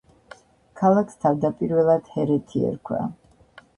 ქალაქს თავდაპირველად ჰერეთი ერქვა.